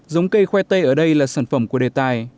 giống cây khoai tây ở đây là sản phẩm của đề tài